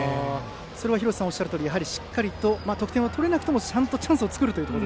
それは廣瀬さんがおっしゃるとおり得点が取れなくてもちゃんとチャンスを作るということと。